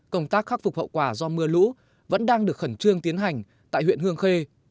công tác khắc phục hậu quả do mưa lũ vẫn đang được khẩn trương tiến hành tại huyện hương khê